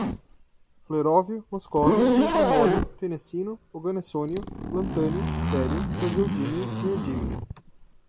fleróvio, moscóvio, livermório, tenessino, oganessônio, lantânio, cério, praseodímio, neodímio